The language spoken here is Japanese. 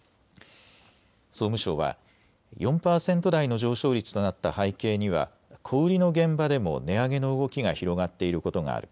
総務省は４％台の上昇率となった背景には小売りの現場でも値上げの動きが広がっていることがある。